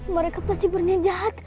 mereka pasti berniat jahat